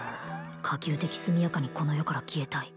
可及的速やかにこの世から消えたい